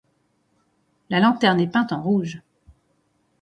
La lanterne est peinte en rouge.